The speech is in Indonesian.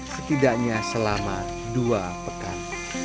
setidaknya selama dua pekan